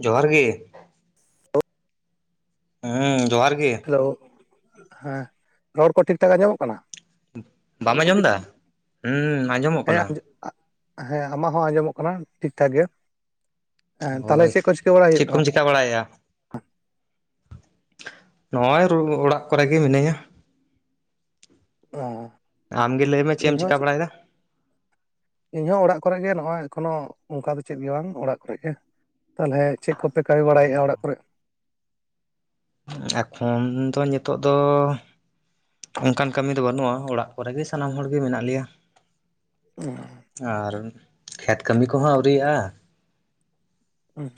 ᱡᱚᱦᱟᱨ ᱜᱮ ᱾ ᱦᱮᱸ ᱡᱚᱦᱟᱨ ᱜᱮ ᱾ ᱦᱮᱞᱳ ᱦᱮᱸ, ᱨᱚᱲ ᱠᱚ ᱴᱷᱤᱠ ᱴᱷᱟᱠᱟ ᱧᱟᱢᱚᱜ ᱠᱟᱱᱟ? ᱵᱟᱢ ᱟᱸᱡᱚᱢ ᱫᱟ? ᱦᱩᱸ ᱟᱡᱚᱢᱚᱜ ᱦᱮᱸ ᱟᱡᱚ ᱦᱮᱸ ᱟᱢᱟᱜ ᱦᱚᱸ ᱟᱸᱡᱚᱢᱚᱜ ᱠᱟᱱᱟ ᱴᱷᱤᱠ ᱴᱷᱟᱠ ᱜᱮ᱾ ᱦᱮᱸ ᱛᱟᱦᱚᱞᱮ ᱪᱮᱫ ᱠᱚ ᱪᱤᱠᱟᱹ ᱵᱟᱲᱟ ᱦᱩᱭᱩᱜ ᱠᱟᱱᱟ? ᱪᱟ ᱵᱟᱲᱟᱭ ᱟ᱾ ᱱᱚᱜᱼᱚᱭ ᱚᱲᱟᱜ ᱠᱚᱨᱮ ᱜᱮ ᱢᱤᱱᱟᱹᱧᱟ᱾ ᱚ᱾ ᱟᱢᱜᱮ ᱞᱟᱹᱭᱢ ᱢᱮ ᱪᱮᱫ ᱮᱢ ᱪᱤᱠᱟ ᱵᱟᱲᱟᱭᱮᱫᱟ? ᱤᱧ ᱦᱚᱸ ᱚᱲᱟᱜ ᱠᱚᱨᱮ ᱜᱮ ᱱᱚᱜᱚᱭ ᱮᱠᱷᱚᱱᱚ ᱚᱱᱠᱟ ᱫᱚ ᱪᱮᱫ ᱜᱮ ᱵᱟᱝ ᱚᱲᱟᱜ ᱠᱚᱨᱮ ᱜᱮ᱾ ᱛᱟᱦᱚᱞᱮ ᱪᱮᱫ ᱠᱚᱯᱮ ᱠᱟᱹᱢᱤ ᱵᱟᱲᱟᱭᱮᱫᱼᱟ ᱚᱲᱟᱜ ᱠᱚᱨᱮ? ᱮᱠᱷᱚᱱ ᱫᱚ ᱧᱤᱛᱚᱜ ᱫᱚ ᱚᱱᱠᱟᱱ ᱠᱟᱹᱢᱤ ᱫᱚ ᱵᱟᱹᱱᱩᱜᱼᱟ, ᱚᱲᱟᱜ ᱠᱚᱨᱮᱜ ᱜᱮ ᱥᱟᱱᱟᱢ ᱦᱚᱲᱜᱮ ᱢᱮᱱᱟᱜ ᱞᱮᱭᱟ᱾ ᱚ᱾ ᱟᱨ ᱠᱷᱮᱛ ᱠᱟᱹᱢᱤ ᱠᱚᱦᱚᱸ ᱟᱹᱣᱨᱤᱭᱟᱜᱼᱟ᱾ ᱦᱩᱸ᱾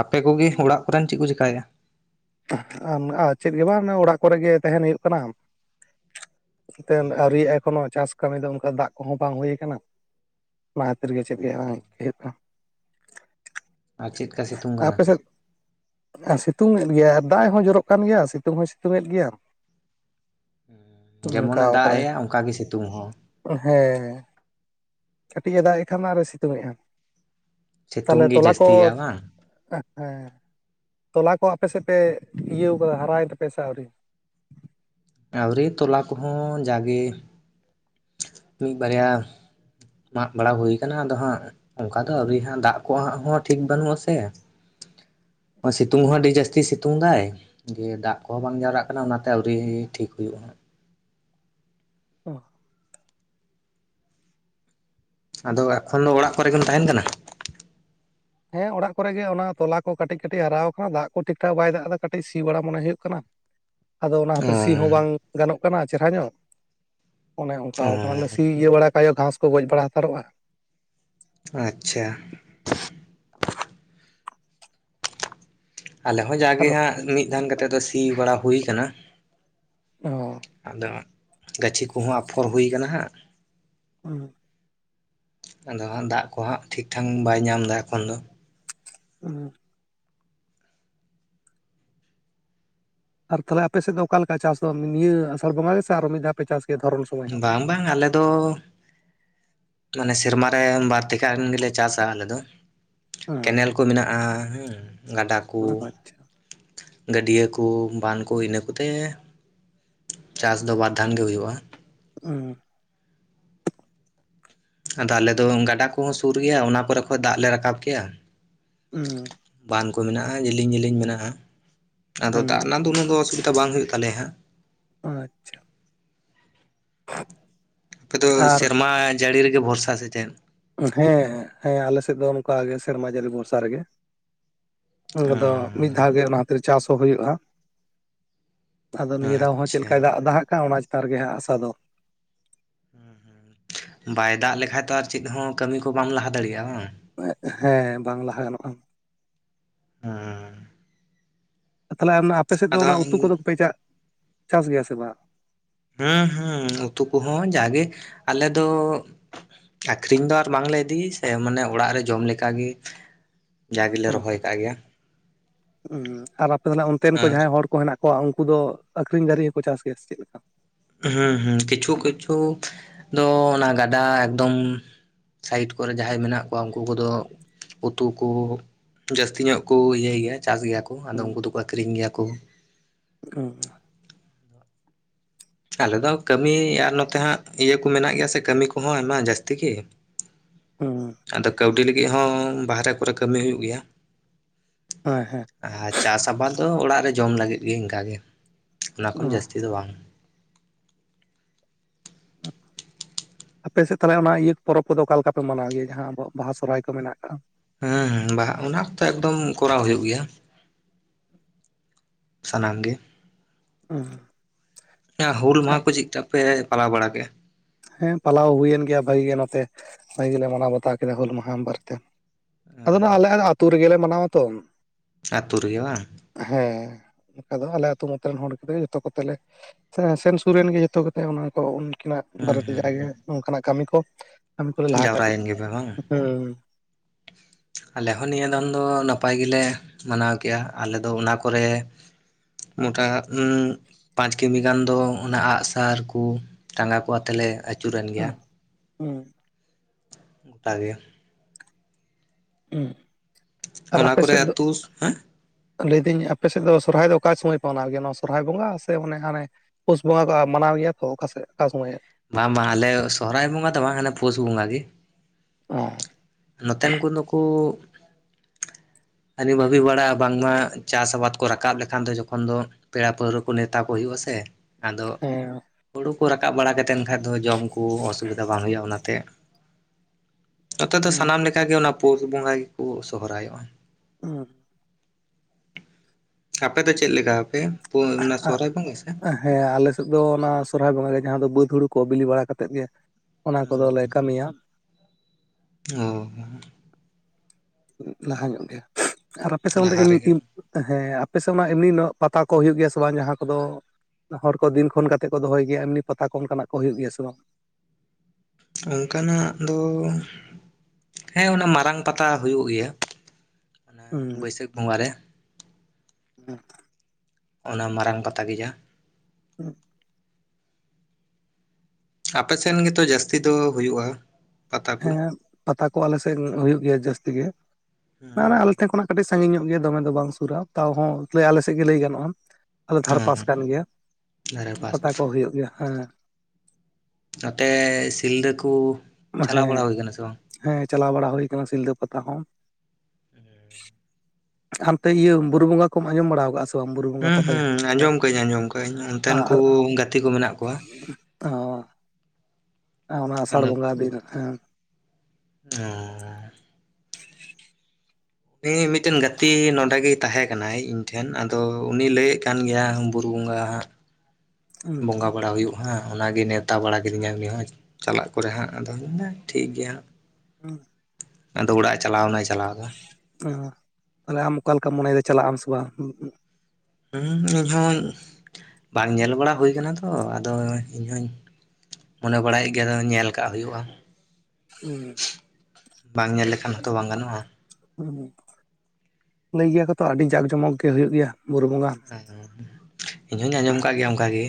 ᱟᱯᱮ ᱠᱚᱜᱮ ᱚᱲᱟᱜ ᱠᱚᱨᱮᱱ ᱪᱮᱫ ᱠᱚ ᱪᱮᱠᱟᱭᱟᱜᱼᱟ? ᱟᱦ ᱟᱢ ᱪᱮᱫ ᱜᱮ ᱵᱟᱝ ᱚᱲᱟᱜ ᱠᱚᱨᱮ ᱜᱮ ᱛᱟᱸᱦᱮᱱ ᱦᱩᱭᱩᱜ ᱠᱟᱱᱟ᱾ ᱦᱟᱯᱮᱱ ᱟᱹᱣᱨᱤ ᱭᱟᱜ-ᱟ ᱮᱠᱷᱚᱱ ᱪᱟᱥ ᱠᱟᱹᱢᱤ ᱫᱚ ᱚᱱᱠᱟ ᱫᱟᱜ ᱠᱚᱦᱚᱸ ᱵᱟᱝ ᱦᱩᱭ ᱠᱟᱱᱟ, ᱚᱱᱟ ᱠᱷᱟᱹᱛᱤᱨ ᱜᱮ ᱪᱮᱫ ᱜᱮ ᱦᱩᱭᱩᱜ ᱠᱟᱱᱟ᱾ ᱟ ᱪᱮᱫ ᱞᱮᱠᱟ ᱥᱤᱛᱩᱝ ᱠᱟᱱᱟ ᱟᱯᱮᱥᱮᱫ ᱟ ᱥᱤᱛᱩᱝ ᱮᱫ ᱜᱮᱭᱟ ᱟᱨ ᱫᱟᱜ ᱦᱚᱸ ᱡᱚᱨᱚᱜ ᱠᱟᱱ ᱜᱮᱭᱟ ᱥᱤᱛᱩᱝ ᱦᱚᱸᱭ ᱥᱤᱛᱩᱝ ᱮᱫ ᱜᱮᱭᱟ᱾ ᱦᱩᱸ ᱡᱮᱢᱚᱱ ᱮ ᱫᱟᱜ ᱮᱭᱟ ᱚᱱᱠᱟ ᱜᱮ ᱥᱤᱛᱩᱝ ᱦᱚᱸ᱾ ᱚ ᱦᱮᱸ᱾ ᱠᱟᱹᱴᱤᱡ ᱮ ᱫᱟᱜ ᱮᱠᱷᱟᱱ ᱟᱨᱚ ᱥᱤᱛᱩᱝᱮᱫᱼᱟ, ᱥᱤᱛᱩᱝ ᱛᱟᱦᱞᱮ ᱜᱮ ᱛᱚᱞᱟ ᱠᱚ ᱡᱟᱹᱥᱛᱤᱭᱟ ᱵᱟᱝ ᱮᱸᱜ ᱦᱮᱸ ᱛᱚᱞᱟ ᱠᱚ ᱟᱯᱮ ᱥᱮᱫ ᱯᱮ ᱤᱭᱟᱹᱣ ᱠᱟᱫᱟ ᱦᱟᱨᱟᱭ ᱛᱟᱯᱮᱭᱟ ᱥᱮ ᱟᱣᱨᱤ? ᱟᱹᱣᱨᱤ ᱛᱚᱞᱟ ᱠᱚᱦᱚᱸ ᱡᱟᱜᱮ ᱢᱤᱫ ᱵᱟᱨᱭᱟ ᱢᱟᱜ ᱵᱟᱲᱟ ᱦᱩᱭ ᱠᱟᱱᱟ ᱟᱫᱚ ᱦᱟᱸᱜ ᱚᱱᱠᱟ ᱫᱚ ᱟᱹᱣᱨᱤ ᱦᱟᱸᱜ ᱫᱟᱜ ᱠᱚᱜ ᱦᱚᱸ ᱴᱷᱤᱠ ᱵᱟᱹᱱᱩᱜ-ᱟ ᱥᱮ ᱾ ᱚᱱᱟ ᱥᱤᱛᱩᱝ ᱦᱚᱸ ᱟᱹᱰᱤ ᱡᱟᱹᱥᱛᱤ ᱥᱤᱛᱩᱝ ᱫᱟᱭ᱾ ᱫᱤᱭᱮ ᱫᱟᱜ ᱠᱚᱦᱚᱸ ᱵᱟᱝ ᱡᱟᱣᱨᱟᱜ ᱠᱟᱱᱟ ᱚᱱᱟᱛᱮ ᱟᱹᱣᱨᱤ ᱴᱷᱤᱠ ᱦᱩᱭᱩᱜᱼᱟ ᱦᱟᱸᱜ᱾ ᱚᱜᱦ᱾ ᱟᱫᱚ ᱮᱠᱷᱚᱱ ᱫᱚ ᱚᱲᱟᱜ ᱠᱚᱨᱮ ᱜᱮᱢ ᱛᱟᱸᱦᱮᱱ ᱠᱟᱱᱟ? ᱦᱮᱸ ᱚᱲᱟᱜ ᱠᱚᱨᱮᱜᱮ ᱚᱱᱟ ᱛᱚᱞᱟ ᱠᱚ ᱠᱟᱹᱴᱤᱡ ᱠᱟᱹᱴᱤᱡ ᱦᱟᱨᱟᱣ ᱠᱟᱱᱟ ᱫᱟᱜ ᱠᱚ ᱴᱷᱤᱠ ᱴᱷᱟᱠ ᱵᱟᱭ ᱫᱟᱜ ᱮᱫᱟ ᱠᱟᱴᱤᱡ ᱥᱤ ᱵᱟᱲᱟ ᱢᱚᱱᱮ ᱦᱩᱭᱩᱜ ᱠᱟᱱᱟ᱾ ᱟᱫᱚ ᱚᱱᱟ ᱚ ᱠᱷᱟᱛᱤᱨ ᱥᱤ ᱦᱚᱸ ᱵᱟᱝ ᱜᱟᱱᱚᱜ ᱠᱟᱱᱟ ᱪᱮᱨᱦᱟ ᱧᱚᱜ᱾ ᱚᱱᱮ ᱚᱱᱠᱟ ᱚ ᱠᱟᱱᱟ ᱞᱮ ᱥᱤ ᱤᱭᱟᱹ ᱵᱟᱲᱟ ᱠᱷᱟᱭ ᱜᱷᱟᱥ ᱠᱚ ᱜᱚᱡ ᱵᱟᱲᱟ ᱦᱟᱛᱟᱨᱚᱜᱼᱟ᱾ ᱟᱪᱪᱷᱟ᱾ ᱟᱞᱮ ᱦᱚᱸ ᱟᱨ ᱡᱟᱜᱮ ᱦᱟᱸᱜ ᱢᱤᱫ ᱫᱷᱟᱱ ᱠᱟᱛᱮᱜ ᱫᱚ ᱥᱤ ᱵᱟᱲᱟ ᱦᱩᱭ ᱠᱟᱱᱟ᱾ [unintelligible] ᱟᱫᱚ ᱜᱟᱹᱪᱷᱤ ᱠᱚᱦᱚᱸ ᱟᱯᱷᱚᱨ ᱦᱩᱭ ᱠᱟᱱᱟ ᱦᱟᱸᱜ᱾ ᱦᱩᱸ ᱟᱫᱚ ᱦᱟᱸᱜ ᱫᱟᱜ ᱠᱚ ᱦᱟᱸᱜ ᱴᱷᱤᱠᱴᱷᱟᱠ ᱵᱟᱭ ᱧᱟᱢ ᱫᱟ ᱮᱠᱷᱚᱱ ᱫᱚ᱾ ᱦᱩᱸ ᱟᱨ ᱛᱟᱦᱚᱞᱮ ᱟᱯᱮ ᱥᱮᱫ ᱫᱚ ᱚᱠᱟᱞᱮᱠᱟ ᱪᱟᱥ ᱫᱚ ᱱᱤᱭᱟᱹ ᱟᱥᱟᱲ ᱵᱚᱸᱜᱟ ᱜᱮ ᱥᱮ ᱟᱨ ᱢᱤᱫ ᱫᱷᱟᱣ ᱯᱮ ᱪᱟᱥ ᱜᱮᱭᱟ ᱫᱷᱚᱨᱚᱱ ᱥᱚᱢᱚᱭ ᱦᱚᱸ? ᱵᱟᱝ ᱵᱟᱝ ᱟᱞᱮ ᱫᱚ ᱢᱟᱱᱮ ᱥᱮᱨᱢᱟ ᱨᱮ ᱵᱟᱨ ᱛᱮᱠᱦᱟᱱ ᱜᱮᱞᱮ ᱪᱟᱥᱟ ᱟᱞᱮ ᱫᱚ, ᱦᱮᱸ ᱠᱮᱱᱮᱞ ᱠᱩ ᱢᱮᱱᱟᱜᱼᱟ ᱜᱟᱰᱟ ᱠᱩ, ᱟᱪᱪᱷᱟ ᱜᱟᱹᱰᱭᱟᱹ ᱠᱩ ᱵᱟᱸᱫ ᱠᱩ ᱤᱱᱟᱹ ᱠᱚᱛᱮ ᱪᱟᱥ ᱫᱚ ᱵᱟᱨᱫᱷᱟᱱ ᱜᱮ ᱦᱩᱭᱩᱜᱼᱟ᱾ ᱦᱩᱸ ᱟᱫᱚ ᱟᱞᱮᱫᱚ ᱜᱟᱰᱟ ᱠᱚᱦᱚᱸ ᱥᱩᱨ ᱜᱮᱭᱟ ᱚᱱᱟ ᱠᱚᱨᱮ ᱠᱷᱚᱡ ᱫᱟᱜ ᱞᱮ ᱨᱟᱠᱟᱵ ᱠᱮᱭᱟ᱾ ᱦᱩᱸ ᱵᱟᱸᱫ ᱠᱚ ᱢᱮᱱᱟᱜᱼᱟ ᱡᱮᱞᱤᱧ ᱡᱮᱞᱤᱧ ᱢᱮᱱᱟᱜᱼᱟ, ᱟᱫᱚ ᱫᱟᱜ ᱦᱩᱸ ᱨᱮᱱᱟᱜ ᱫᱚ ᱩᱱᱟᱹᱜ ᱫᱚ ᱚᱥᱩᱵᱤᱫᱟ ᱵᱟᱝ ᱦᱩᱭᱩᱜ ᱛᱟᱞᱮ ᱦᱟᱸᱜ᱾ ᱟᱪᱪᱷᱟ ᱟᱯᱮᱫᱚ ᱟᱨ ᱥᱮᱨᱢᱟ ᱡᱟᱹᱲᱤ ᱨᱮᱜᱮ ᱵᱷᱚᱨᱥᱟ ᱥᱮᱪᱮᱫ? ᱦᱮᱸ ᱟᱞᱮ ᱥᱮᱫ ᱫᱚ ᱚᱱᱠᱟ ᱥᱮᱨᱢᱟ ᱡᱟᱹᱨᱤ ᱵᱚᱨᱥᱟ ᱨᱮᱜᱮ᱾ ᱟᱫᱚ ᱫᱚ ᱢᱤᱫ ᱫᱷᱟᱣ ᱚᱸᱻ ᱜᱮ ᱚᱱᱟ ᱛᱮ ᱪᱟᱥ ᱦᱚᱸ ᱦᱩᱭᱩᱜ-ᱟ᱾ ᱟᱫᱚ ᱱᱤᱭᱟᱹ ᱫᱷᱟᱣ ᱦᱚᱸ ᱟᱪᱪᱷᱟ ᱪᱮᱫᱞᱮᱠᱟᱭ ᱫᱟᱜ ᱫᱟ ᱦᱟᱜ ᱠᱟᱜ ᱚᱱᱟ ᱪᱮᱛᱟᱱ ᱨᱮᱜᱮ ᱦᱟᱸᱜ ᱟᱥᱟ ᱫᱚ᱾ ᱵᱟᱭ ᱫᱟᱜ ᱞᱮᱠᱷᱟᱡ ᱛᱚ ᱟᱨ ᱪᱮᱫ ᱦᱚᱸ ᱠᱟᱹᱢᱤ ᱠᱚ ᱵᱟᱢ ᱞᱟᱦᱟ ᱫᱟᱲᱮᱭᱟᱜ-ᱟ ᱵᱟᱝ᱾ ᱦᱮᱸ ᱵᱟᱝ ᱞᱟᱦᱟ ᱜᱟᱱᱚᱜ-ᱟ᱾ ᱦᱮᱸ ᱛᱟᱦᱚᱞᱮ ᱟᱯᱮ ᱥᱮᱫ ᱫᱚ ᱟᱫᱚ ᱚᱱᱟ ᱦᱟᱸᱜ ᱩᱛᱩ ᱠᱚᱫᱚᱯᱮ ᱪ ᱪᱟᱥ ᱜᱮᱭᱟ ᱥᱮ ᱵᱟᱝ? ᱦᱮᱸ ᱦᱩᱸ ᱩᱛᱩ ᱠᱚᱦᱚᱸ ᱡᱟᱜᱮ ᱟᱞᱮ ᱫᱚ ᱟᱠᱷᱨᱤᱧ ᱫᱚ ᱟᱨ ᱵᱟᱝᱞᱮ ᱤᱫᱤᱭᱟ ᱥᱮ ᱢᱟᱱᱮ ᱚᱲᱟᱜ ᱨᱮ ᱡᱚᱢ ᱞᱮᱠᱟᱜᱮ ᱡᱟᱜᱮᱞᱮ ᱨᱚᱦᱚᱭ ᱠᱟᱜ ᱜᱮᱭᱟ ᱟᱨ ᱟᱯᱮ ᱛᱟᱦᱚᱞᱮ ᱚᱱᱛᱮᱱ ᱠᱚ ᱟᱨ ᱡᱟᱦᱟᱸᱭ ᱦᱚᱲ ᱠᱚ ᱦᱮᱱᱟᱜ ᱠᱚᱣᱟ ᱩᱱᱠᱩ ᱫᱚ ᱟᱠᱷᱨᱤᱧ ᱫᱟᱨᱤᱤᱪ ᱦᱚᱸᱠᱚ ᱪᱟᱥ ᱜᱮᱭᱟ ᱪᱮᱫ ᱞᱮᱠᱟ? ᱦᱩᱸ ᱦᱩᱸ ᱠᱤᱪᱷᱩ ᱠᱤᱪᱷᱩ ᱫᱚ ᱚᱱᱟ ᱜᱟᱰᱟ ᱮᱠᱫᱚᱢ ᱥᱟᱭᱤᱰ ᱠᱚᱨᱮ ᱡᱟᱦᱟᱸᱭ ᱢᱮᱱᱟᱜ ᱠᱚᱣᱟ ᱩᱱᱠᱩ ᱠᱚᱫᱚ ᱩᱛᱩ ᱠᱚ ᱡᱟᱹᱥᱛᱤ ᱧᱚᱜ ᱠᱚ ᱤᱭᱟᱹᱭ ᱜᱮᱭᱟ ᱪᱟᱥ ᱜᱮᱭᱟ ᱠᱚ ᱟᱫᱚ ᱦᱩᱸ ᱩᱱᱠᱩ ᱫᱚᱠᱚ ᱟᱠᱷᱨᱤᱧ ᱜᱮᱭᱟ ᱠᱚ ᱾ [unintelligible] ᱟᱞᱮ ᱫᱚ ᱠᱟᱹᱢᱤ ᱟᱨ ᱱᱚᱛᱮ ᱦᱟᱸᱜ ᱤᱭᱟᱹ ᱠᱚ ᱢᱮᱱᱟᱜ ᱜᱮᱭᱟ ᱥᱮ ᱠᱟᱹᱢᱤ ᱠᱚᱦᱚᱸ ᱟᱭᱢᱟ ᱡᱟᱹᱥᱛᱤ ᱜᱮ ᱾ [unintelligible] [unintelligible] ᱟᱫᱚ ᱠᱟᱹᱣᱰᱤ ᱞᱟᱹᱜᱤᱫ ᱦᱚᱸ ᱵᱟᱦᱨᱮ ᱠᱚᱨᱮ ᱠᱟᱹᱢᱤ ᱦᱩᱭᱩᱜ ᱜᱮᱭᱟ ᱾ ᱦᱮᱸ ᱦᱮᱸ ᱾ ᱟᱨ ᱪᱟᱥ ᱟᱵᱟᱫ ᱦᱚᱸ ᱚᱲᱟᱜ ᱨᱮ ᱡᱚᱢ ᱞᱟᱹᱜᱤᱫ ᱜᱮ ᱤᱱᱠᱟ ᱜᱮ ᱚᱱᱟ ᱚ ᱠᱷᱚᱱ ᱡᱟᱹᱥᱛᱤ ᱫᱚ ᱵᱟᱝ ᱾ ᱟᱯᱮ ᱥᱮᱫ ᱛᱟᱦᱚᱞᱮ ᱚᱱᱟ ᱤᱭᱟᱹ ᱯᱚᱨᱚᱵᱽ ᱠᱚᱫᱚ ᱚᱠᱟᱞᱮᱠᱟ ᱯᱮ ᱢᱟᱱᱟᱣ ᱜᱮᱭᱟ ᱡᱟᱦᱟᱸ ᱟᱵᱚᱣᱟᱜ ᱵᱟᱦᱟ ᱥᱚᱨᱦᱟᱭ ᱠᱚ ᱢᱮᱱᱟᱜ ᱟᱠᱟᱜ-ᱟ? ᱦᱮᱸᱸ ᱵᱟᱦᱟ ᱚᱱᱟ ᱠᱚᱛᱚ ᱮᱠᱫᱚᱢ ᱠᱚᱨᱟᱣ ᱦᱩᱭᱩᱜ ᱜᱮᱭᱟ ᱾ ᱥᱟᱱᱟᱢ ᱜᱮ ᱾ [unintelligible] ᱦᱩᱞ ᱢᱟᱦᱟ ᱠᱚ ᱪᱮᱫᱞᱮᱠᱟ ᱯᱮ ᱯᱟᱞᱟᱣ ᱵᱟᱲᱟ ᱠᱮ-ᱜᱟ? ᱦᱮᱸ ᱯᱟᱞᱟᱣ ᱦᱩᱭᱮᱱ ᱜᱮᱭᱟ ᱵᱷᱟᱜᱤ ᱜᱮ, ᱱᱚᱛᱮ ᱵᱷᱟᱜᱤᱞᱮ ᱢᱟᱱᱟᱣ ᱵᱟᱛᱟᱣ ᱠᱮᱫᱟ ᱦᱩᱞ ᱢᱟᱦᱟ ᱵᱟᱨᱮᱛᱮ ᱾ ᱟᱫᱚ ᱱᱚᱣᱟ ᱟᱞᱮ ᱟ ᱟᱹᱛᱩ ᱨᱮᱜᱮᱞᱮ ᱢᱟᱱᱟᱣᱟ ᱛᱚ ᱾ ᱟᱹᱛᱩ ᱨᱮᱜᱮ ᱵᱟᱝ ᱾ ᱦᱮᱸ ᱱᱚᱛᱮ ᱫᱚ ᱟᱞᱮ ᱟᱹᱛᱩ ᱢᱚᱛ ᱨᱮᱱ ᱦᱚᱲ ᱜᱮᱞᱮ ᱡᱚᱛᱚ ᱠᱚᱛᱮ ᱞᱮ ᱥᱮᱱ ᱥᱩᱨ ᱨᱮᱱ ᱜᱮ ᱡᱚᱛᱚ ᱠᱟᱛᱮ ᱚᱱᱟ ᱠᱚ ᱩᱱᱠᱤᱱᱟᱜ ᱦᱩᱸ ᱵᱟᱨᱚᱛ ᱦᱩᱸ ᱡᱟ ᱜᱮ ᱦᱩᱸ ᱱᱚᱝᱠᱟᱱᱟᱜ ᱠᱟᱹᱢᱤ ᱠᱚ ᱠᱟᱹᱢᱤ ᱠᱚᱞᱮ ᱞᱟᱦᱟ ᱠᱟᱜ ᱡᱟᱣᱨᱟᱭᱮᱱ ᱜᱮᱯᱮ ᱵᱟᱝ ᱾ ᱟᱞᱮ ᱦᱚᱸ ᱱᱤᱭᱟᱹ ᱫᱟᱢ ᱫᱚ ᱱᱟᱯᱟᱭ ᱜᱮᱞᱮ ᱢᱟᱱᱟᱣ ᱠᱮᱜ-ᱟ ᱟᱞᱮ ᱫᱚ ᱚᱱᱟ ᱠᱚᱨᱮ [unintelligible] ᱯᱟᱸᱪ ᱠᱤᱢᱤ ᱜᱟᱱ ᱫᱚ ᱚᱱᱟ ᱟᱜ-ᱥᱟᱨ ᱠᱚ ᱴᱟᱸᱜᱟ ᱠᱚ ᱟᱛᱮ ᱞᱮ ᱟᱹᱪᱩᱨᱮᱱ ᱜᱮᱭᱟ ᱦᱮᱸ [unintelligible] ᱜᱚᱴᱟᱜᱮ ᱾ ᱦᱩᱸ ᱟᱨ ᱚᱱᱟ ᱟᱯᱮ ᱠᱚᱨᱮ ᱥᱮᱫ ᱫᱚ ᱟᱹᱛᱩ ᱦᱮᱸ ᱞᱟᱹᱭᱫᱟᱹᱧ ᱟᱯᱮ ᱥᱮᱫ ᱫᱚ ᱥᱚᱨᱦᱟᱭ ᱫᱚ ᱚᱠᱟ ᱥᱚᱢᱚᱭ ᱯᱮ ᱢᱟᱱᱟᱣ ᱜᱮᱭᱟ ᱱᱚᱣᱟ ᱥᱚᱨᱦᱟᱭ ᱵᱚᱸᱜᱟ ᱥᱮ ᱚᱱᱮ ᱦᱟᱱᱮ ᱯᱩᱥ ᱵᱚᱸᱜᱟ ᱠᱚ ᱢᱟᱱᱟᱣ ᱜᱮᱭᱟ ᱛᱚ ᱚᱠᱟ ᱥᱮᱫ ᱚᱠᱟ ᱥᱚᱢᱚᱭ ᱾ ᱵᱟᱝ ᱵᱟᱝ ᱟᱞᱮ ᱥᱚᱦᱚᱨᱟᱭ ᱵᱚᱸᱜᱟ ᱫᱚ ᱵᱟᱝ ᱦᱟᱱᱮ ᱯᱩᱥ ᱵᱚᱸᱜᱟ ᱜᱮ ᱾ [unintelligible] ᱱᱚᱛᱮᱱ ᱠᱚᱫᱚ ᱠᱩ ᱟᱨᱤ ᱵᱷᱟᱵᱤ ᱵᱟᱲᱟ ᱵᱟᱝᱢᱟ ᱪᱟᱥ ᱟᱵᱟᱫ ᱠᱚ ᱨᱟᱠᱟᱵ ᱞᱮᱠᱷᱟᱱ ᱫᱚ ᱡᱚᱠᱷᱚᱱ ᱫᱚ ᱯᱮᱲᱟ ᱯᱟᱹᱲᱦᱟᱹ ᱠᱚ ᱱᱮᱣᱛᱟ ᱠᱚ ᱦᱩᱭᱩᱜ ᱟ ᱥᱮ ᱾ ᱟᱫᱚ ᱦᱩᱲᱩ ᱠᱚ ᱨᱟᱠᱟᱵ ᱵᱟᱲᱟ ᱠᱟᱛᱮᱱ ᱠᱷᱟᱡ ᱫᱚ ᱡᱚᱢ ᱠᱚ ᱚᱥᱩᱵᱤᱫᱷᱟ ᱵᱟᱝ ᱦᱩᱭᱩᱜ-ᱟ ᱚᱱᱟᱛᱮ, ᱱᱚᱛᱮ ᱫᱚ ᱦᱮᱸ ᱥᱟᱱᱟᱢ ᱞᱮᱠᱟᱜᱮ, ᱚᱱᱟ ᱯᱳᱥ ᱵᱚᱸᱜᱟ ᱜᱮᱠᱚ ᱥᱚᱦᱚᱨᱟᱭᱚᱜ-ᱟ ᱾ [unintelligible] [unintelligible] ᱟᱯᱮ ᱫᱚ ᱪᱮᱫ ᱞᱮᱠᱟ ᱟᱯᱮ, ᱚᱱᱟ ᱥᱚᱨᱦᱟᱭ ᱵᱚᱸᱜᱟ ᱥᱮ? ᱦᱮᱸ ᱟᱞᱮ ᱥᱮᱫ ᱫᱚ, ᱚᱱᱟ ᱥᱚᱨᱦᱟᱭ ᱵᱚᱸᱜᱟ ᱜᱮ, ᱡᱟᱦᱟᱸ ᱫᱚ ᱵᱟᱹᱫᱽ ᱦᱩᱲᱩ ᱠᱚ ᱵᱤᱞᱤ ᱵᱟᱲᱟ ᱠᱟᱛᱮᱜ ᱜᱮ ᱾ ᱦᱩᱸ, ᱚᱸ ᱞᱟᱦᱟ ᱧᱚᱜ ᱜᱮᱭᱟ, ᱟᱨ ᱟᱯᱮ ᱥᱮᱫ ᱚᱸᱰᱮ ᱞᱟᱦᱟ ᱦᱮᱸ ᱨᱮᱜᱮ ᱟᱯᱮ ᱥᱮᱜ ᱚᱱᱟ ᱮᱢᱱᱤ ᱦᱤᱞᱳᱜ, ᱯᱟᱛᱟ ᱠᱚ ᱦᱳᱭᱳᱜ ᱜᱮᱭᱟ ᱥᱮ ᱵᱟᱝ, ᱡᱟᱦᱟᱸ ᱠᱚᱫᱚ ᱦᱚᱲ ᱠᱚ ᱫᱤᱱ ᱠᱷᱚᱱ ᱠᱟᱛᱮᱜ ᱠᱚ, ᱫᱚᱦᱚᱭ ᱜᱮᱭᱟ ᱮᱢᱱᱤ ᱯᱟᱛᱟ ᱠᱚ ᱚᱱᱠᱟᱱᱟᱜ ᱠᱚ ᱦᱳᱭᱳᱜ ᱜᱮᱭᱟ ᱥᱮ ᱵᱟᱝ? ᱚᱱᱠᱟᱱᱟᱜ ᱫᱚ ᱦᱮᱸ ᱚᱱᱟ ᱢᱟᱨᱟᱝ ᱯᱟᱛᱟ ᱦᱳᱭᱳᱜ ᱜᱮᱭᱟ, ᱦᱩᱸ ᱵᱟᱹᱭᱥᱟᱹᱠ ᱵᱚᱸᱜᱟ ᱨᱮ ᱾ [unintelligible] [unintelligible] ᱚᱱᱟ ᱢᱟᱨᱟᱝ ᱯᱟᱛ ᱜᱮ ᱡᱟ ᱾ [unintelligible] [unintelligible] ᱟᱯᱮ ᱥᱮᱱ ᱜᱮᱛᱚ, ᱡᱟᱹᱥᱛᱤ ᱫᱚ ᱦᱳᱭᱳᱜ-ᱟ ᱾ ᱦᱮᱸ ᱯᱟᱛᱟ ᱠᱚ ᱟᱞᱮ ᱥᱮᱜ ᱦᱳᱭᱳᱜ ᱜᱮᱭᱟ ᱡᱟᱹᱥᱛᱤ ᱜᱮ, ᱦᱟᱱᱟ ᱟᱞᱮ ᱦᱮᱸ ᱴᱷᱮᱱ ᱠᱷᱚᱱᱟᱜ ᱠᱟᱹᱴᱤᱡ ᱥᱟᱺᱜᱤᱧ ᱧᱚᱜ ᱜᱮᱭᱟ, ᱫᱚᱢᱮ ᱫᱚ ᱵᱟᱝ ᱥᱩᱨᱟ, ᱛᱟᱣ ᱦᱚᱸ ᱞᱟᱹᱭ ᱟᱞᱮ ᱥᱮᱫ ᱜᱮ ᱞᱟᱹᱭ ᱜᱟᱱᱚᱜ-ᱟ ᱾ ᱟᱞᱮ ᱫᱷᱟᱨ ᱯᱟᱥ ᱦᱮᱸ ᱠᱟᱱ ᱜᱮᱭᱟ, ᱫᱷᱟᱨᱮ ᱯᱟᱥ ᱯᱟᱛᱟ ᱠᱚ ᱦᱳᱭᱳᱜ ᱜᱮᱭᱟ ᱦᱮᱸ ᱾ ᱱᱚᱛᱮ ᱥᱤᱞᱫᱟᱹ ᱠᱩ ᱦᱮᱸ, ᱦᱮᱸ ᱪᱟᱞᱟᱣ ᱵᱟᱲᱟ ᱦᱳᱭ ᱠᱟᱱᱟ ᱥᱤᱞᱫᱟᱹ ᱯᱟᱛᱟ ᱦᱚᱸ᱾ ᱦᱟᱱᱛᱮ ᱤᱭᱟᱹ ᱵᱩᱨᱩ ᱵᱚᱸᱜᱟ ᱠᱚᱢ ᱟᱸᱡᱚᱢ ᱵᱟᱲᱟᱣ ᱠᱟᱜᱼᱟ ᱥᱮ ᱵᱟᱝ ᱵᱩᱨᱩ ᱵᱚᱸᱜᱟ ᱦᱩᱸ, ᱯᱟᱛᱟ ᱡᱟᱦᱟᱸ ᱦᱩᱸ, ᱟᱸᱡᱚᱢ ᱠᱟᱹᱜ ᱟᱹᱧ, ᱟᱸᱡᱚᱢ ᱠᱟᱹᱜ ᱟᱹᱧ ᱚᱱᱛᱮᱱ ᱠᱩ, ᱜᱟᱛᱮ ᱠᱚ ᱢᱮᱱᱟᱜ ᱠᱚᱣᱟ᱾ ᱦᱮᱸ, ᱦᱮᱸ ᱚᱱᱟ ᱟᱥᱟᱲ ᱵᱚᱸᱜᱟ ᱫᱤᱱ ᱠᱷᱚᱱ ᱚᱸ, ᱦᱮᱸ ᱢᱤᱫᱴᱮᱱ ᱜᱟᱛᱮ ᱱᱚᱰᱮ ᱜᱮᱭ ᱛᱟᱦᱮᱸ ᱠᱟᱱᱟᱭ, ᱤᱧ ᱴᱷᱮᱱ ᱟᱫᱚ ᱩᱱᱤ ᱞᱟᱹᱭᱮᱫ ᱠᱟᱱ ᱜᱮᱭᱟ ᱵᱩᱨᱩ ᱵᱚᱸᱜᱟ᱾ ᱵᱚᱸᱜᱟ ᱵᱟᱲᱟ ᱦᱳᱭᱩᱜᱼᱟ, ᱚᱱᱟ ᱜᱮ ᱱᱮᱶᱛᱟ ᱵᱟᱲᱟ ᱠᱤᱫᱤᱧᱟ ᱩᱱᱤ ᱦᱚᱸ᱾ ᱪᱟᱞᱟᱜ ᱠᱚᱨᱮ ᱦᱟᱸᱜ, ᱟᱫᱚ ᱢᱟᱱᱮ ᱴᱷᱤᱠ ᱜᱮᱭᱟ᱾ ᱦᱩᱸ, ᱟᱫᱚ ᱚᱲᱟᱜᱼᱮ ᱪᱟᱞᱟᱣ ᱱᱟᱭ, ᱪᱟᱞᱟᱣ ᱱᱟ᱾ ᱚ, ᱛᱟᱦᱞᱮ ᱟᱢ ᱚᱠᱟ ᱞᱮᱠᱟᱢ ᱢᱚᱱᱮᱭ ᱫᱟ, ᱪᱟᱞᱟᱜ ᱟᱢ ᱥᱮ ᱵᱟᱝ? ᱦᱩᱸ, ᱤᱧ ᱦᱚᱸᱧ, ᱵᱟᱝ ᱧᱮᱞ ᱵᱟᱲᱟ ᱦᱳᱭ ᱠᱟᱱᱟ ᱛᱚ, ᱟᱫᱚ ᱤᱧ ᱦᱚᱸᱧ᱾ ᱢᱚᱱᱮ ᱵᱟᱲᱟᱭᱮᱜ ᱜᱮᱭᱟ, ᱟᱫᱚ ᱧᱮᱞ ᱠᱟᱜ ᱦᱳᱭᱳᱜᱼᱟ᱾ ᱦᱩᱸ, ᱵᱟᱝ ᱧᱮᱞ ᱞᱮᱠᱷᱟᱱ ᱦᱚᱸᱛᱚ, ᱵᱟᱝ ᱜᱟᱱᱚᱜᱼᱟ᱾ ᱦᱩᱸ, ᱞᱟᱹᱭ ᱜᱮᱭᱟ ᱠᱚᱛᱚ, ᱟᱹᱰᱤ ᱡᱟᱠ ᱡᱚᱢᱚᱜ ᱜᱮ ᱦᱳᱭᱳᱜ ᱜᱮᱭᱟ, ᱵᱩᱨᱩ ᱵᱚᱸᱜᱟ᱾ ᱦᱩ, ᱤᱧ ᱦᱚᱧ ᱟᱸᱡᱚᱢ ᱠᱟᱜ ᱜᱮᱭᱟ ᱚᱱᱠᱟ ᱜᱮ,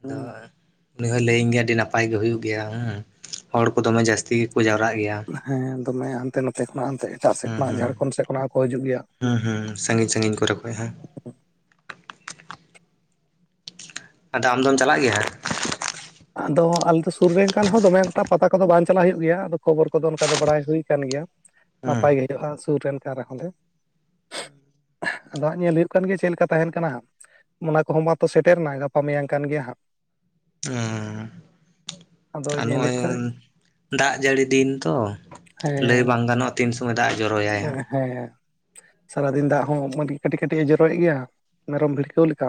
ᱟᱫᱚ ᱩᱱᱤ ᱦᱚᱸᱭ ᱞᱟᱹᱭᱟᱹᱧ ᱜᱮᱭᱟ ᱟᱹᱰᱤ ᱱᱟᱯᱟᱭ ᱜᱮ ᱦᱳᱭᱩᱜ ᱜᱮᱭᱟ, ᱦᱮᱸ ᱦᱚᱲ ᱠᱚ ᱫᱚᱢᱮ ᱡᱟᱹᱥᱛᱤ ᱜᱮᱠᱚ ᱡᱟᱣᱨᱟᱜ ᱜᱮᱭᱟ᱾ ᱦᱮᱸ ᱫᱚᱢᱮ ᱦᱟᱱᱛᱮ ᱱᱚᱛᱮ ᱠᱷᱚᱱᱟᱜ, ᱮᱱᱛᱮ ᱮᱴᱟᱜ ᱥᱮᱫ ᱦᱩᱸ ᱠᱷᱚᱱᱟᱜ, ᱦᱩᱸ ᱡᱷᱟᱲᱠᱷᱚᱱᱰ ᱥᱮᱫ ᱠᱷᱚᱱᱟᱜ ᱦᱚᱸ ᱠᱚ ᱦᱤᱡᱩᱜ ᱜᱮᱭᱟ᱾ ᱦᱩᱸ, ᱦᱩᱸ, ᱥᱟᱺᱜᱤᱧ-ᱥᱟᱺᱜᱤᱧ ᱠᱚᱨᱮ ᱠᱷᱚᱡ ᱦᱚᱸ᱾ ᱟᱫᱚ ᱟᱢ ᱫᱚᱢ ᱪᱟᱞᱟᱜ ᱜᱮᱭᱟ ᱦᱟᱸᱜ? ᱟᱫᱚ ᱟᱞᱮ ᱫᱚ ᱥᱩᱨ ᱨᱮᱱ ᱠᱟᱱ ᱦᱚᱲ ᱫᱚ, ᱫᱚᱢᱮ ᱮᱠᱴᱟ ᱯᱟᱛᱟ ᱠᱚᱫᱚ ᱵᱟᱝ ᱪᱟᱞᱟ ᱦᱳᱭᱩᱜ ᱜᱮᱭᱟ ᱟᱫᱚ ᱠᱷᱚᱵᱚᱨ ᱠᱚ ᱫᱚ ᱚᱱᱠᱟ ᱫᱚ ᱵᱟᱲᱟᱭ ᱦᱩᱭ ᱠᱟᱱ ᱜᱮᱭᱟ᱾ [unintelligible] [inaudible] ᱱᱟᱯᱟᱭ ᱜᱮ ᱦᱳᱭᱳᱜᱼᱟ, ᱥᱩᱨ ᱨᱮᱱ ᱠᱟᱱ ᱨᱮᱦᱚᱸ ᱞᱮ᱾ ᱟᱫᱚ ᱦᱟᱸᱜ ᱧᱮᱞ ᱦᱳᱭᱳᱜ ᱠᱟᱱ ᱜᱮᱭᱟ, ᱪᱮᱫ ᱞᱮᱠᱟ ᱛᱟᱦᱮᱱ ᱠᱟᱱᱟ᱾ ᱚᱱᱟ ᱠᱚ ᱦᱚᱸ ᱢᱟᱛᱚ, ᱥᱮᱴᱮᱨ ᱱᱟ ᱜᱟᱯᱟ ᱢᱮᱭᱟᱝ ᱠᱷᱟᱱ ᱜᱮᱭᱟ ᱦᱟᱸᱜ᱾ ᱩᱸ, ᱟᱫᱚ ᱟᱨ ᱧᱮᱞᱮᱫ ᱱᱚᱜᱼᱚᱸᱭ, ᱠᱟᱹᱱᱟᱹᱧ ᱫᱟᱜ ᱡᱟᱹᱲᱤ ᱫᱤᱱ ᱛᱚ, ᱞᱟᱹᱭ ᱦᱮᱸ ᱵᱟᱝ ᱜᱟᱱᱚᱜᱼᱟ᱾ ᱛᱤᱱ ᱥᱚᱢᱚᱭ ᱫᱟᱜ ᱮ ᱡᱚᱨᱚᱭ ᱟᱭ ᱦᱟᱸᱜ᱾ ᱦᱮᱸ, ᱦᱮᱸ, ᱥᱟᱨᱟ ᱫᱤᱱ ᱫᱟᱜ ᱦᱚᱸ ᱢᱚᱡᱽ ᱜᱮ ᱠᱟᱹᱴᱤᱡ ᱠᱟᱹᱴᱤᱡ ᱮ ᱡᱚᱨᱚᱭᱮᱜ ᱜᱮᱭᱟ, ᱢᱮᱨᱚᱢ ᱵᱷᱤᱲᱠᱟᱹᱣ ᱞᱮᱠᱟ᱾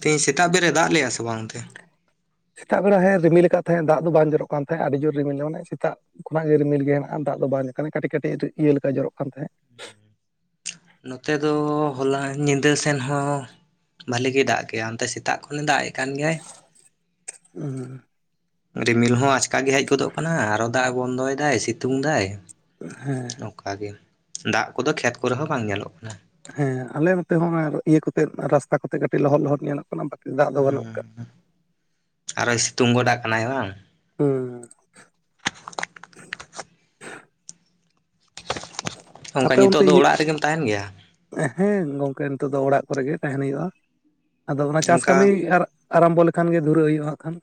ᱛᱮᱦᱮᱧ ᱥᱮᱛᱟᱜ ᱵᱮᱨᱮ ᱫᱟᱜ ᱞᱮᱜᱼᱟ, ᱥᱮ ᱵᱟᱝ ᱚᱱᱛᱮ? ᱥᱮᱛᱟᱜ ᱵᱮᱲᱟ ᱦᱮᱸ ᱨᱤᱢᱤᱞ ᱟᱠᱟᱫ ᱛᱟᱦᱮᱸᱜ ᱫᱟᱜ ᱫᱚ ᱵᱟᱝ ᱡᱚᱨᱚᱜ ᱠᱟᱱ ᱛᱟᱦᱮᱸ, ᱟᱹᱰᱤ ᱡᱚᱨ ᱨᱤᱢᱤᱞ ᱢᱟᱱᱮ ᱥᱮᱛᱟᱜ᱾ ᱠᱷᱚᱱᱟᱜ ᱜᱮ ᱨᱤᱢᱤᱞ ᱜᱮ ᱦᱮ ᱱᱟᱜᱼᱟ ᱫᱟᱜ ᱫᱚ ᱵᱟᱝ ᱠᱟᱹᱴᱤᱡ- ᱠᱟᱹᱴᱤᱡ ᱤᱭᱟᱹ ᱞᱮᱠᱟ ᱡᱚᱨᱚᱜ ᱠᱟᱱ ᱛᱟᱦᱮᱸᱫ᱾ ᱱᱚᱛᱮ ᱫᱚ ᱦᱚᱞᱟ ᱧᱤᱫᱟᱹ ᱥᱮᱱ ᱦᱚᱸ ᱵᱷᱟᱹᱞᱮ ᱜᱮ ᱫᱟᱜ ᱠᱮᱜᱼᱟ, ᱚᱱᱛᱮ ᱥᱮᱛᱟᱜ ᱠᱷᱚᱱᱮ ᱫᱟᱜ ᱮᱜ ᱠᱟᱱ ᱜᱮᱭᱟ᱾ ᱦᱩᱸ᱾ ᱨᱤᱢᱤᱞ ᱦᱚᱸ ᱟᱪᱠᱟ ᱜᱮ ᱦᱮᱡ ᱜᱚᱫᱚᱜ ᱠᱟᱱᱟ, ᱟᱨᱚ ᱫᱟᱜ ᱮ ᱵᱚᱱᱫᱚᱭ ᱫᱟᱭ ᱥᱤᱛᱩᱝ ᱫᱟᱭ᱾ ᱦᱮᱸ᱾ ᱱᱚᱝᱠᱟ ᱜᱮ ᱫᱟᱜ ᱠᱚ ᱫᱚ ᱠᱷᱮᱛ ᱠᱚᱨᱮ ᱦᱚᱸ ᱵᱟᱝ ᱧᱮᱞᱚᱜ ᱠᱟᱱᱟ᱾ ᱦᱮᱸ ᱟᱞᱮ ᱱᱚᱛᱮ ᱦᱚᱸ ᱟᱨ ᱤᱭᱟᱹ ᱠᱚᱛᱮ ᱨᱟᱥᱛᱟᱹ ᱠᱚᱛᱮ ᱠᱟᱹᱴᱤᱡ ᱞᱚᱦᱚᱫ-ᱞᱚᱦᱚᱫ ᱧᱮᱞᱚᱜ ᱠᱟᱱᱟ᱾ ᱵᱟᱠᱤ ᱫᱟᱜ ᱫᱚ ᱵᱟᱹᱱᱩᱜ ᱟᱠᱟᱫ ᱦᱩᱸ ᱟᱨᱚᱭ ᱥᱤᱛᱩᱝ ᱜᱚᱰᱟᱜ ᱠᱟᱱᱟᱭ ᱵᱟᱝ? ᱦᱩᱸ᱾ ᱚᱱᱠᱟ ᱟᱯᱮ ᱱᱤᱛᱚᱜ ᱚᱱᱛᱮ ᱫᱚ ᱚᱲᱟᱜ ᱨᱮᱜᱮᱢ ᱛᱟᱦᱮᱱ ᱜᱮᱭᱟ? ᱦᱮᱸ ᱜᱚᱢᱠᱮ ᱱᱤᱛᱚᱜ ᱫᱚ ᱚᱲᱟᱜ ᱠᱚᱨᱮ ᱜᱮ ᱛᱟᱦᱮᱱ ᱦᱩᱭᱩᱜᱼᱠᱟᱱᱟ, ᱟᱫᱚ ᱚᱱᱟ ᱪᱟᱥ ᱠᱟᱹᱢᱤ ᱚᱱᱠᱟ ᱟᱨ ᱟᱨᱟᱢᱵᱚ ᱞᱮᱠᱷᱟᱱ ᱜᱮ, ᱫᱷᱩᱨᱟᱹᱜ ᱦᱩᱭᱩᱜᱼᱟ, ᱠᱷᱟᱱ᱾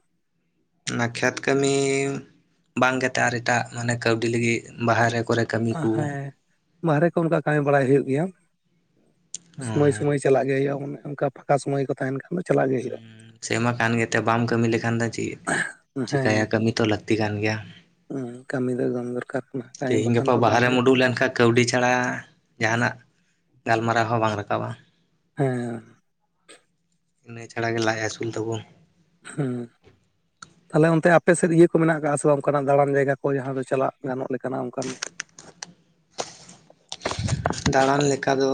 ᱚᱱᱟ ᱠᱷᱮᱛ ᱠᱟᱹᱢᱤ ᱵᱟᱝ ᱠᱟᱛᱮᱜ ᱟᱨ ᱮᱴᱟᱜ ᱢᱟᱱᱮ ᱠᱟᱹᱣᱰᱤ ᱞᱟᱹᱜᱤᱫ ᱵᱟᱹᱦᱨᱮ ᱠᱚᱨᱮ᱾ ᱠᱟᱹᱢᱤ ᱟ ᱠᱚ ᱦᱮᱸ, ᱵᱟᱦᱨᱮ ᱠᱚ ᱚᱱᱠᱟ ᱠᱟᱹᱢᱤ ᱵᱟᱲᱟᱭ ᱦᱩᱭᱩᱜ ᱜᱮᱭᱟ, ᱥᱚᱢᱚᱭ ᱥᱚᱢᱚᱭ᱾ ᱦᱮᱸ ᱪᱟᱞᱟᱜ ᱜᱮ ᱦᱩᱭᱩᱜᱼᱟ, ᱚᱱᱮ ᱚᱱᱠᱟ ᱯᱷᱟᱠᱟ ᱥᱚᱢᱚᱭ ᱠᱚ ᱛᱟᱦᱮᱱ ᱠᱷᱟᱱ ᱫᱚ ᱪᱟᱞᱟᱜ ᱜᱮ ᱦᱩᱭᱩᱜᱼᱟ᱾ ᱥᱮᱢᱟ ᱠᱟᱱ ᱜᱮᱛᱮ ᱵᱟᱢ ᱠᱟᱹᱢᱤ ᱞᱮᱠᱷᱟᱱ ᱫᱚ ᱪᱤᱜ ᱪᱤᱠᱟᱭᱟ, ᱦᱮᱸ ᱠᱟᱹᱢᱤ ᱛᱚ ᱞᱟᱹᱠᱛᱤ ᱠᱟᱱ ᱜᱮᱭᱟ᱾ ᱠᱟᱹᱢᱤ ᱫᱚ ᱮᱠᱫᱚᱢ ᱫᱚᱨᱠᱟᱨ ᱠᱟᱱᱟ ᱠᱟᱹᱢᱤ ᱛᱮᱦᱤᱧ ᱵᱟᱠᱷᱟᱱ ᱜᱟᱯᱟ ᱫᱚ ᱵᱟᱝ ᱵᱟᱦᱟᱨᱮᱢ ᱦᱩᱭᱩᱜᱼᱟ ᱩᱰᱩᱠ ᱞᱮᱱ ᱠᱷᱟᱠ ᱠᱟᱹᱣᱰᱤ ᱪᱷᱟᱲᱟ, ᱡᱟᱦᱟᱱᱟᱜ ᱜᱟᱞᱢᱟᱨᱟᱣ ᱦᱚᱸ ᱵᱟᱝ ᱨᱟᱠᱟᱵ-ᱟ᱾ ᱦᱮᱸᱻ ᱱᱤᱭᱟᱹ ᱪᱷᱟᱲᱟ ᱜᱮ ᱞᱟᱡ ᱟᱹᱥᱩᱞ ᱛᱟᱵᱩᱱ᱾ ᱦᱩᱸᱻ ᱛᱟᱦᱚᱸᱞᱮ ᱚᱱᱛᱮ ᱟᱯᱮᱥᱮᱫ ᱤᱭᱟᱹ ᱠᱚ ᱢᱮᱱᱟᱜ ᱟᱠᱟᱜ ᱥᱮ ᱵᱟᱝ ᱚᱝᱠᱟᱱᱟᱜ ᱫᱟᱬᱟᱱ ᱡᱟᱭᱜᱟ ᱠᱚ, ᱡᱟᱦᱟᱸ ᱫᱚ ᱪᱟᱞᱟᱜ ᱜᱟᱱᱚᱜ ᱞᱮᱠᱟᱱᱟᱜ ᱚᱱᱠᱟᱱ? ᱫᱟᱬᱟᱱ ᱞᱮᱠᱟ ᱫᱚ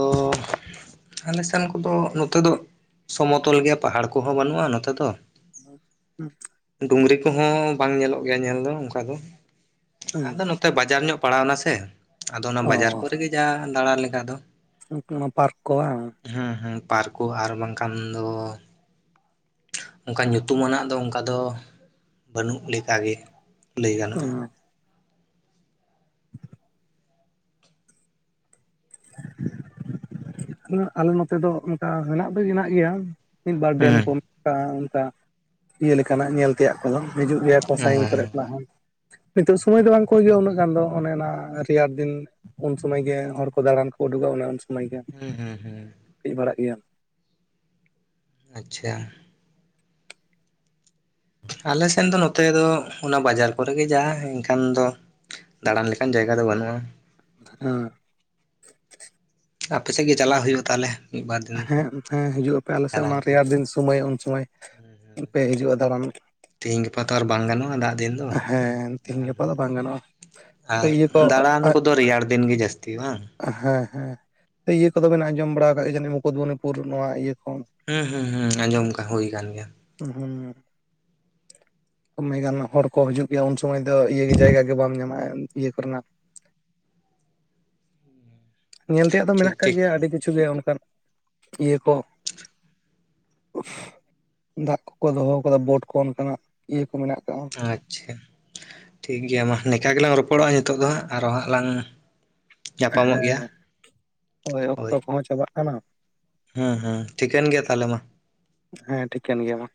ᱟᱞᱮ ᱥᱮᱱ ᱠᱚᱫᱚ ᱱᱚᱛᱮ ᱫᱚ, ᱥᱚᱢᱚᱛᱚᱞ ᱜᱮᱭᱟ᱾ ᱯᱟᱦᱟᱲ ᱠᱚᱦᱚᱸ ᱵᱟᱹᱱᱩᱜᱼᱟ, ᱱᱚᱛᱮ ᱫᱚ᱾ [inaudible] ᱰᱩᱸᱜᱽᱨᱤ ᱠᱚᱦᱚᱸ ᱵᱟᱝ ᱧᱮᱞᱚᱜ ᱜᱮᱭᱟ ᱧᱮᱞ ᱫᱚ, ᱚᱱᱠᱟ ᱫᱚ᱾ ᱟᱫᱚ ᱱᱚᱛᱮ ᱵᱟᱡᱟᱨ ᱧᱚᱜ ᱯᱟᱲᱟᱣ ᱮᱱᱟ ᱥᱮ, ᱟᱫᱚ ᱚᱱᱟ ᱚ ᱵᱟᱡᱟᱨ ᱠᱚᱨᱮ ᱜᱮ ᱡᱟ ᱫᱟᱬᱟᱱ ᱞᱮᱠᱟ ᱫᱚ᱾ ᱩᱱᱠᱩ ᱢᱟ ᱯᱟᱨᱠ ᱠᱚ ᱵᱟᱝ ᱦᱩᱸ ᱦᱩᱸ, ᱯᱟᱨᱠ ᱠᱚ ᱟᱨ ᱵᱟᱝᱠᱷᱟᱱ ᱫᱚ ᱚᱝᱠᱟ ᱧᱩᱛᱩᱢᱟᱱᱟᱜ ᱫᱚ ᱚᱝᱠᱟ ᱫᱚ ᱵᱟᱹᱱᱩᱜ ᱞᱮᱠᱟ ᱜᱮ ᱞᱟᱹᱭ ᱜᱟᱱᱚᱜᱼᱟ᱾ [inaudible] ᱟᱞᱮ ᱱᱚᱛᱮ ᱫᱚ ᱚᱝᱠᱟ ᱦᱮᱱᱟᱜ ᱫᱚ ᱦᱮᱱᱟᱜ ᱜᱮᱭᱟ, ᱢᱤᱫ-ᱵᱟᱨ ᱰᱮᱸᱢ ᱦᱮᱸ ᱠᱚ᱾ ᱚᱝᱠᱟ ᱚᱝᱠᱟ ᱤᱭᱟᱹ ᱞᱮᱠᱟᱱᱟᱜ ᱧᱮᱞ ᱛᱮᱭᱟᱜ ᱠᱚᱫᱚ᱾ ᱦᱤᱡᱩᱜ ᱜᱮᱭᱟ ᱠᱚ ᱦᱮᱸ ᱥᱟᱹᱜᱤᱧ ᱠᱚᱨᱮ ᱠᱷᱚᱱᱟᱜ ᱦᱚᱸ᱾ ᱱᱤᱛᱚᱜ ᱥᱳᱢᱚᱭ ᱫᱚ ᱵᱟᱝ ᱠᱚ ᱦᱤᱭᱩᱜᱼᱟ ᱩᱱᱟᱹᱜ ᱜᱟᱱ ᱫᱚ᱾ ᱚᱱᱮ ᱚᱱᱟ ᱨᱮᱭᱟᱲ ᱫᱤᱱ ᱩᱱ ᱥᱩᱢᱚᱭ ᱜᱮ ᱦᱚᱲ ᱠᱚ ᱫᱟᱬᱟᱱ ᱠᱚ ᱩᱰᱩᱠᱚᱜ-ᱟ, ᱚᱱᱮ ᱩᱱ ᱥᱚᱢᱟᱹᱭ ᱜᱮ᱾ ᱦᱩᱸ ᱦᱩᱸ ᱦᱩᱸ᱾ ᱦᱮᱡ ᱵᱟᱲᱟᱜ ᱜᱮᱭᱟᱢ? ᱟᱪᱪᱷᱟ᱾ ᱟᱞᱮ ᱥᱮᱱ ᱫᱚ ᱱᱚᱛᱮ ᱫᱚ ᱚᱱᱟ ᱵᱟᱡᱟᱨ ᱠᱚᱨᱮ ᱜᱮ ᱡᱟ, ᱮᱱᱠᱷᱟᱱ ᱫᱚ ᱫᱟᱬᱟᱱ ᱞᱮᱠᱟᱱ ᱡᱟᱭᱜᱟ ᱫᱚ ᱵᱟᱹᱱᱩᱜᱼᱟ᱾ ᱦᱩᱸ ᱟᱯᱮᱥᱮᱜ ᱜᱮ ᱪᱟᱞᱟᱣ ᱦᱩᱭᱩᱜᱼᱟ, ᱛᱟᱦᱚᱸᱞᱮ ᱢᱤᱫ-ᱵᱟᱨ ᱫᱤᱱ? ᱦᱮᱸ ᱦᱮᱸ ᱦᱤᱡᱩᱜ ᱟᱯᱮ ᱟᱞᱮ ᱥᱮᱫ, ᱫᱟᱬᱟᱱ ᱚᱱᱟ ᱠᱚ ᱨᱮᱭᱟᱲ ᱫᱤᱱ ᱥᱩᱢᱟᱹᱭ ᱩᱱ ᱥᱩᱢᱟᱹᱭ ᱯᱮ ᱦᱤᱡᱩᱜᱼᱟ, ᱫᱟᱬᱟᱱ ᱛᱤᱦᱤᱧ ᱜᱟᱯᱟ ᱛᱚ ᱟᱨ ᱵᱟᱭ ᱜᱟᱱᱚᱜᱼᱟ, ᱫᱟᱜ ᱫᱤᱱ ᱫᱚ ᱦᱮᱸ ᱛᱤᱦᱤᱧ ᱫᱟᱬᱟᱱ ᱜᱟᱯᱟ ᱦᱚᱸ ᱫᱚ ᱵᱟᱝ ᱜᱟᱱᱚᱜᱼᱟ? ᱛᱚ ᱟᱨ ᱤᱭᱟᱹ ᱠᱚ ᱫᱟᱬᱟᱱ ᱠᱚᱫᱚ ᱨᱮᱭᱟᱲ ᱫᱤᱱ ᱜᱮ ᱡᱟᱹᱥᱛᱤ ᱵᱟᱝ? ᱦᱮᱸ ᱦᱮᱸ ᱤᱭᱟᱹ ᱠᱚᱫᱚ ᱵᱤᱱ ᱟᱸᱡᱚᱢ ᱵᱟᱲᱟ ᱠᱟᱜ ᱜᱮᱭᱟ ᱡᱟᱹᱱᱤᱡ, ᱢᱩᱠᱩᱛᱢᱩᱱᱤᱯᱩᱨ? ᱱᱚᱣᱟ ᱤᱭᱟᱹ ᱠᱷᱚᱱ ᱦᱩᱸ ᱦᱩᱸ ᱦᱩᱸ ᱟᱸᱡᱚᱢ ᱠᱟᱜ ᱦᱩᱭ ᱠᱟᱱ ᱜᱮᱭᱟ᱾ ᱦᱩᱸ ᱠᱚᱢᱮ ᱜᱟᱱ ᱦᱚᱲᱼᱼ ᱠᱚ ᱦᱤᱡᱩᱜ ᱜᱮᱭᱟ ᱩᱱ ᱥᱚᱢᱚᱭ ᱫᱚ ᱤᱭᱟᱹ ᱜᱮ ᱡᱟᱭᱜᱟ ᱜᱮ ᱵᱟᱢ ᱧᱟᱢᱟ ᱤᱭᱟᱹ ᱠᱚᱨᱮᱱᱟᱜ᱾ ᱧᱮᱞ ᱛᱮᱭᱟᱜ ᱫᱚ ᱴᱷᱤᱠ ᱢᱮᱱᱟᱜ ᱠᱟᱜ ᱴᱷᱤᱠ ᱜᱮᱭᱟ ᱟᱹᱰᱤ ᱠᱤᱪᱷᱩ ᱜᱮ ᱚᱱᱠᱟᱱ ᱤᱭᱟᱹ ᱠᱚ᱾ ᱫᱟᱜ ᱠᱚᱠᱚ ᱫᱚᱦᱚᱣ ᱠᱟᱫᱟ ᱵᱳᱴ ᱠᱚ ᱚᱱᱠᱟᱱᱟᱜ ᱤᱭᱟᱹ ᱠᱚ ᱢᱮᱱᱟᱜ ᱟᱠᱟᱜᱼᱟ᱾ ᱟᱪᱪᱷᱟ ᱴᱷᱤᱠ ᱜᱮᱭᱟ ᱢᱟ ᱱᱮᱠᱟ ᱜᱮᱞᱟᱝ ᱨᱚᱯᱚᱲᱚᱜᱼᱟ ᱱᱤᱛᱚᱜ ᱫᱚ ᱦᱟᱸᱜ ᱟᱨᱚ ᱦᱟᱸᱜ ᱞᱟᱝᱼᱼ ᱦᱮᱸ ᱦᱳᱭ ᱚᱠᱛᱚ ᱠᱚᱦᱚᱸ ᱪᱟᱵᱟᱜ ᱠᱟᱱᱟ᱾ ᱦᱩᱸ ᱦᱩᱸ ᱴᱷᱤᱠᱟᱹᱱ ᱜᱮᱭᱟ ᱛᱟᱦᱚᱸᱞᱮ ᱢᱟ᱾ ᱦᱮᱸ ᱴᱷᱤᱠᱟᱹᱱ ᱜᱮᱭᱟ ᱢᱟ᱾